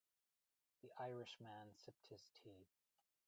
The Irish man sipped his tea.